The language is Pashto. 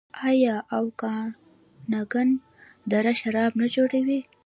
آیا اوکاناګن دره شراب نه جوړوي؟